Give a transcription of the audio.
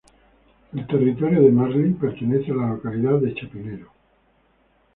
El territorio de Marly pertenece a la localidad de Chapinero.